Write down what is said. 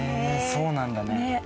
そうなんだね。